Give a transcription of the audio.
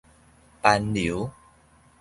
攀留